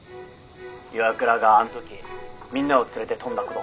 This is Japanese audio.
岩倉があん時みんなを連れて飛んだこと。